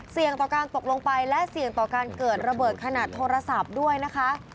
ต่อการตกลงไปและเสี่ยงต่อการเกิดระเบิดขนาดโทรศัพท์ด้วยนะคะ